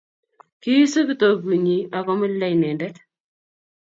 Kiisuu kitogunyin akumilda inendet